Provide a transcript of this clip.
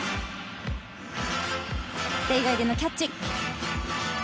手以外でのキャッチ。